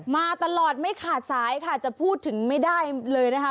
มาตลอดไม่ขาดสายค่ะจะพูดถึงไม่ได้เลยนะคะ